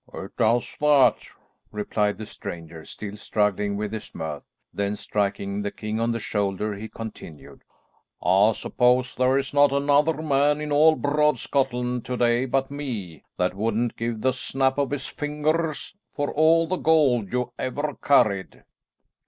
"It does that," replied the stranger, still struggling with his mirth; then striking the king on the shoulder, he continued, "I suppose there is not another man in all broad Scotland to day but me, that wouldn't give the snap of his fingers for all the gold you ever carried."